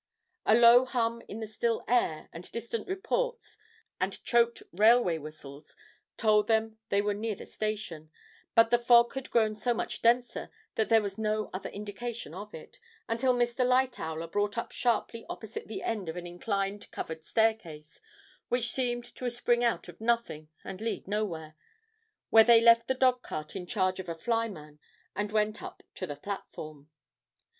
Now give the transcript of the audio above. A low hum in the still air, and distant reports and choked railway whistles told them they were near the station, but the fog had grown so much denser that there was no other indication of it, until Mr. Lightowler brought up sharply opposite the end of an inclined covered staircase, which seemed to spring out of nothing and lead nowhere, where they left the dog cart in charge of a flyman and went up to the platform.